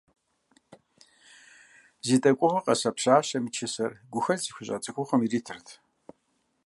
Зи дэкӀуэгъуэ къэса пщащэм и чысэр гухэлъ зыхуищӀа цӀыхухъум иритырт.